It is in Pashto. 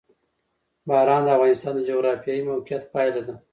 باران د افغانستان د جغرافیایي موقیعت پایله ده.